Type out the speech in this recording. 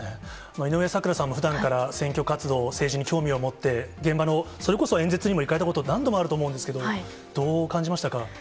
井上咲楽さんもふだんから、選挙活動、政治に興味を持って、現場の、それこそ演説にも行かれたこと、何度もあると思うんですけど、どう感じましたか。